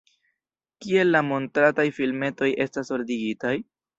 Kiel la montrataj filmetoj estas ordigitaj?